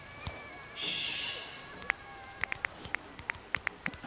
よし。